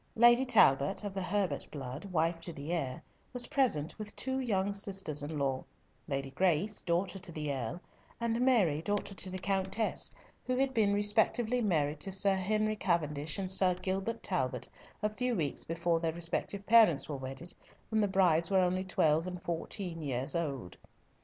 Lady Talbot, of the Herbert blood, wife to the heir, was present with two young sisters in law, Lady Grace, daughter to the Earl, and Mary, daughter to the Countess, who had been respectively married to Sir Henry Cavendish and Sir Gilbert Talbot, a few weeks before their respective parents were wedded, when the brides were only twelve and fourteen years old.